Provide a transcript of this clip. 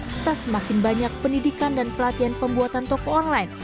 serta semakin banyak pendidikan dan pelatihan pembuatan toko online